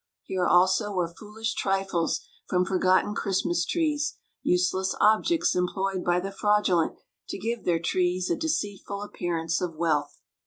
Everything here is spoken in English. Here also were foolish trifles from forgotten Christmas trees, useless objects employed by the fraudulent to give their trees a deceitful appearance of wealth.